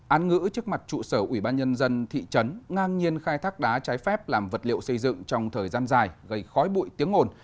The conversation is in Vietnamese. án ngữ trước mặt trụ sở ủy ban nhân dân thị trấn ngang nhiên khai thác đá trái phép làm vật liệu xây dựng trong thời gian dài gây khói bụi tiếng ồn